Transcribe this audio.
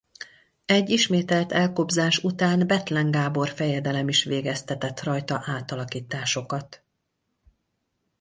Egy ismételt elkobzás után Bethlen Gábor fejedelem is végeztetett rajta átalakításokat.